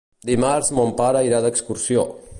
Dimarts mon pare irà d'excursió.